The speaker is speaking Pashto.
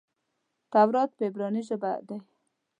تورات په عبراني ژبه دئ.